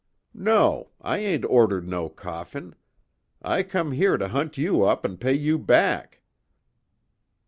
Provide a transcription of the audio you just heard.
"No I ain't ordered no coffin. I come here to hunt you up an' pay you back."